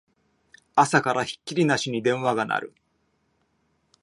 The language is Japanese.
朝からひっきりなしに電話が鳴る